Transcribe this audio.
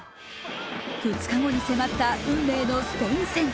２日後に迫った運命のスペイン戦。